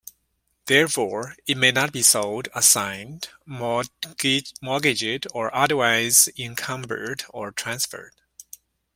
Therefore, it may not be sold, assigned, mortgaged, or otherwise encumbered or transferred.